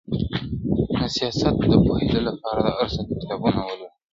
د سياست د پوهېدو لپاره د ارسطو کتابونه ولولئ.